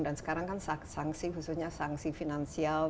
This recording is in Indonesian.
dan sekarang kan sanksi khususnya sanksi finansial